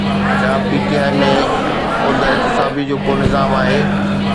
ڇا P T I ۾ خود احتسابي جو ڪو نظام آهي؟